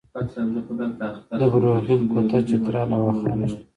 د بروغیل کوتل چترال او واخان نښلوي